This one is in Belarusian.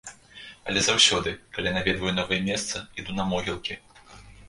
Але заўсёды, калі я наведваю новае месца, іду на могілкі.